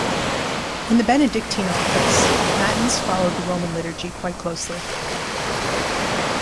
In the Benedictine office, matins followed the Roman liturgy quite closely.